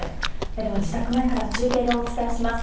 では、自宅前から中継でお伝えします。